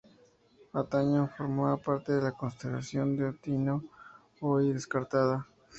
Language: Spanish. Antaño formaba parte de la constelación de Antínoo, hoy descartada.